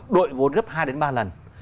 đội vốn gấp hai đến ba lần